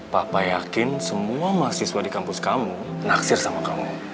papa yakin semua mahasiswa di kampus kamu naksir sama kamu